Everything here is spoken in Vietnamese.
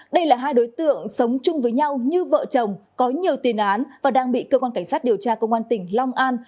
đây là hai đối tượng sống chung với nhau như vợ chồng có nhiều tiền án và đang bị cơ quan cảnh sát điều tra công an tỉnh long an